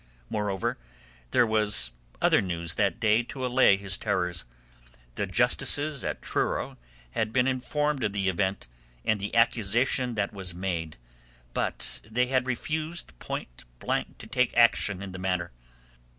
Moreover, there was other news that day to allay his terrors: the Justices, at Truro had been informed of the event and the accusation that was made; but they had refused point blank to take action in the matter.